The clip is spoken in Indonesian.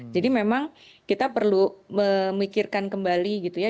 jadi memang kita perlu memikirkan kembali gitu ya